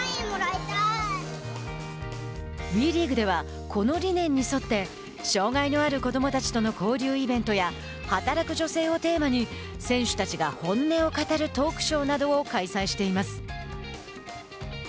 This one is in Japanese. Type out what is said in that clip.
ＷＥリーグではこの理念に沿って障害のある子どもたちの交流イベントや働く女性をテーマに選手たちが本音を語るトークショーなどを開催しています。